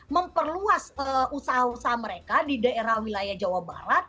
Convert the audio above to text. memperluas usaha usaha mereka di daerah wilayah jawa barat